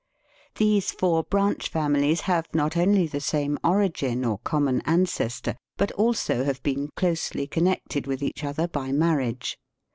These four branch families have not only the same origin or common ancestor, but also have been closely connected with each other by mar riage.